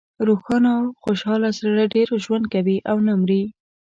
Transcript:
روښانه او خوشحاله زړه ډېر ژوند کوي او نه مری.